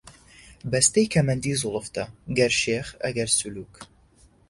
بەستەی کەمەندی زوڵفتە، گەر شێخ، ئەگەر سولووک